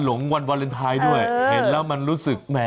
หมอกิตติวัตรว่ายังไงบ้างมาเป็นผู้ทานที่นี่แล้วอยากรู้สึกยังไงบ้าง